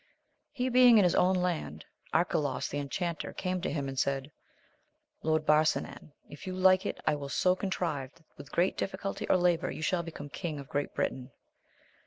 He being in his own land, Arcalaus the Enchanter came to him and said, Lord Barsinan, if you like it, I will so contrive, that with little difficulty or labour you shall become King of Great Britain.